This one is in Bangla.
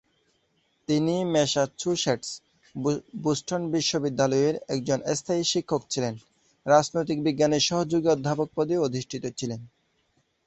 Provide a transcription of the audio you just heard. তিনি ম্যাসাচুসেটস-বোস্টন বিশ্ববিদ্যালয়ের একজন স্থায়ী শিক্ষক ছিলেন, রাজনৈতিক বিজ্ঞানের সহযোগী অধ্যাপক পদে অধিষ্ঠিত ছিলেন।